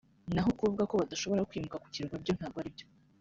naho kuvuga ko badashobora kwimuka ku kirwa byo ntabwo ari byo